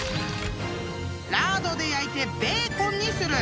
［ラードで焼いてベーコンにする］